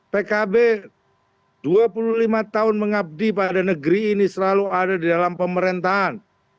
pkb dua puluh lima tahun mengabdi pada negeri ini selalu ada di dalam pemerintahan